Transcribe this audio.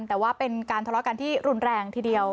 แต่ว่าเป็นการทะเลาะกันที่รุนแรงทีเดียว